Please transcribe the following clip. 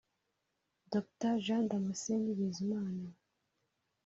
Dr Jean Damascène Bizimana